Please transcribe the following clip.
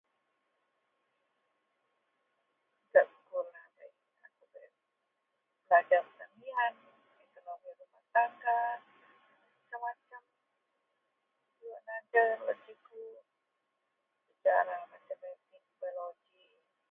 Gak sekul lahabei akou bei belajer… [unintelligible] ekonomi rumah tangga, macem-macem ji wak najer lou cikgu, sejarah matematik, biologi